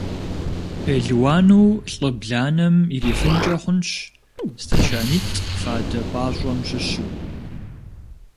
Пелуану лӀы бланэм ирифынкӀэ хъунщ стачанитӀ фадэ пӀащӀэм щыщу.